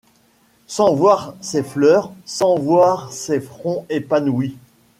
Sans voir ces fleurs, sans voir ces fronts épanouis